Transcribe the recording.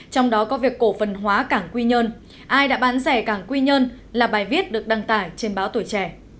trong đó có việc cổ phần hóa cảng quy nhơn ai đã bán rẻ cảng quy nhơn là bài viết được đăng tải trên báo tuổi trẻ